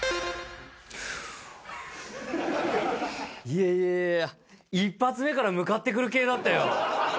いやいや、一発目から向かってくる系だったよ。